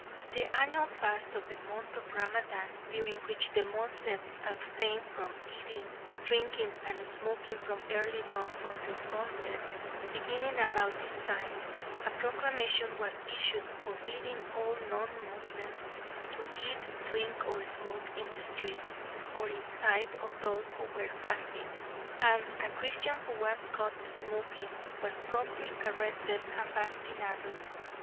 The annual fast of the month of Ramadan, during which the Moslems abstain from eating, drinking, and smoking from early dawn until sunset, beginning about this time, a proclamation was issued forbidding all non Moslems to eat, drink, or smoke in the streets, or in sight of those who were fasting, and a Christian who was caught smoking was promptly arrested and bastinadoed.